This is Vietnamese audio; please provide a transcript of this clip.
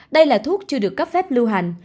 đây là thuốc chưa được cấp phép lưu hành